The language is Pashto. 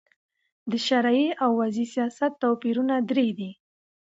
د شرعې او وضي سیاست توپیرونه درې دي.